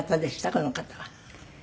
この方は。